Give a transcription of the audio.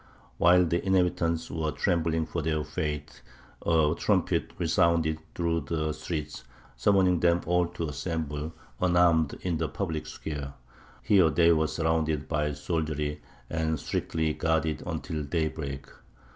While the inhabitants were trembling for their fate, a trumpet resounded through the streets, summoning them all to assemble, unarmed, in the public square. Here they were surrounded by soldiery, and strictly guarded until daybreak.